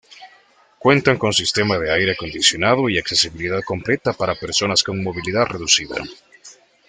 Cuentan con sistema de aire acondicionado y accesibilidad completa para personas con movilidad reducida.